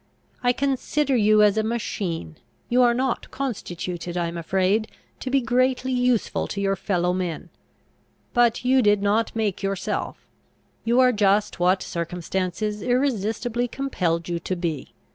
I consider you as a machine; you are not constituted, I am afraid, to be greatly useful to your fellow men: but you did not make yourself; you are just what circumstances irresistibly compelled you to be.